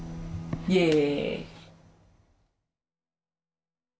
イエーイ！